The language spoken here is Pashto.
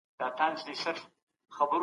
دا ستا پر ژوند